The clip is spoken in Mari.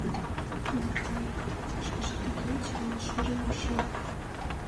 Да тый, шиждегеч, ала шижын, ыршен